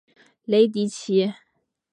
雷迪奇。